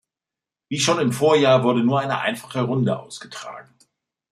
Wie schon im Vorjahr wurde nur eine einfache Runde ausgetragen.